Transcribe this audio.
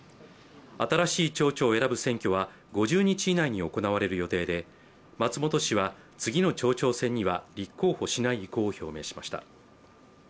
新しい町長を選ぶ選挙は５０日以内に行われる予定で松本氏は次の町長選には立候補しない意向を表明しました。